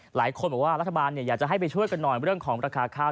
หลายคนบอกว่ารัฐบาลอยากจะให้ไปช่วยกันหน่อยเรื่องของราคาข้าว